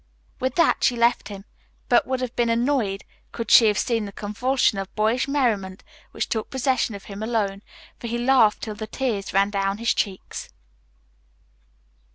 With that she left him, but would have been annoyed could she have seen the convulsion of boyish merriment which took possession of him when alone, for he laughed till the tears ran down his cheeks.